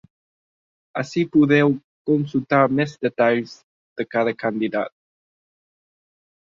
Ací podeu consultar més detalls de cada candidat.